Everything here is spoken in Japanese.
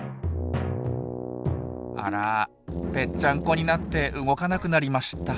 あらぺっちゃんこになって動かなくなりました。